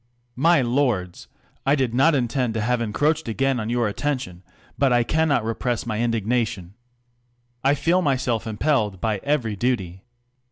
My lords, I did not intend to have encroached ain on your attention ; but I cannot repress my in durnation. I feel myself impelled by every duty.